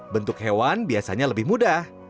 bentuk hewan biasanya lebih mudah